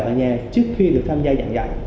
ở nhà trước khi được tham gia giảng dạy